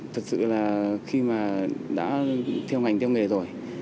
thật sự là khi mà đã theo ngành theo nghề rồi